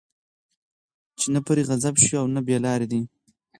چې نه پرې غضب شوی، او نه بې لاري دي